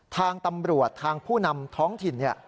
ทางตำรวจทางผู้นำท้องถิ่น